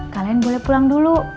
kalian boleh pulang dulu